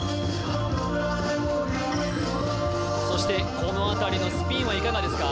そしてこのあたりのスピンはいかがですか？